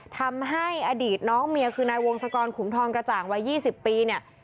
ทำให้อดีตน้องเมียคือนายวงศกรขุมทองกระจ่างวัย๒๐ปีเนี่ย